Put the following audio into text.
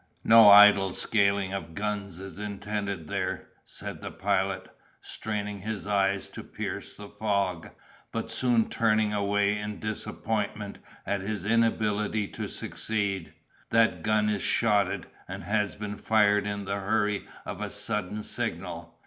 "No idle scaling of guns is intended there," said the Pilot, straining his eyes to pierce the fog, but soon turning away in disappointment at his inability to succeed, "that gun is shotted, and has been fired in the hurry of a sudden signal!